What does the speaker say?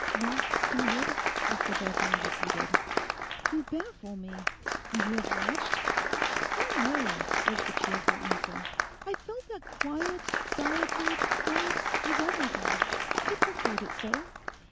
'Not stirred!' Mr Bethany repeated. 'You baffle me. And you have watched?' 'Oh no,' was the cheerful answer; 'I felt that quiet, solitude; space, was everything; he preferred it so.